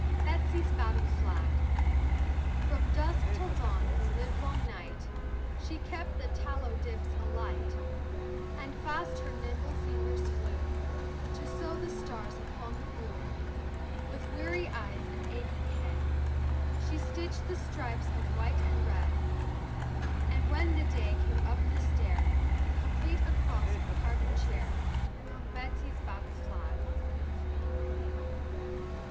BETSY'S BATTLE FLAG From dusk till dawn the livelong night She kept the tallow dips alight, And fast her nimble fingers flew To sew the stars upon the blue. With weary eyes and aching head She stitched the stripes of white and red, And when the day came up the stair Complete across a carven chair Hung Betsy's battle flag.